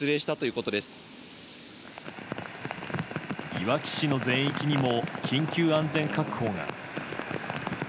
いわき市の全域にも緊急安全確保が。